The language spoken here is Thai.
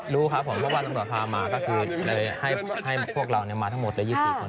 รู้ครับผมเพราะว่าตำรวจพามาก็คือเลยให้พวกเรามาทั้งหมดเลย๒๔คน